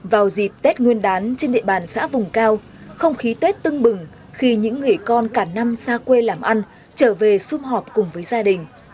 vào dịp tết nguyên đán trên địa bàn xã vùng cao không khí tết tưng bừng khi những người con cả năm xa quê làm ăn trở về xung họp cùng với gia đình